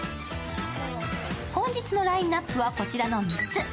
本日のラインナップはこちらの３つ。